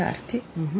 うん。